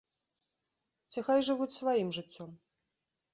Ці хай жывуць сваім жыццём?